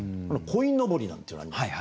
鯉のぼりなんていうのあります。